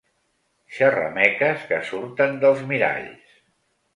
Xerrameques que surten dels miralls.